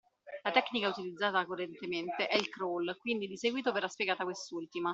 La tecnica utilizzata correntemente è il crawl, quindi di seguito verrà spiegata quest’ultima.